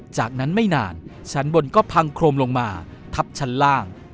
จากนั้นไม่นานชั้นบนก็พังโครมลงมาทับชั้นล่าง